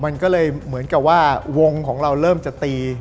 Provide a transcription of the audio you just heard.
มันก็เลยเหมือนกับว่าวงของเราเริ่มจะตี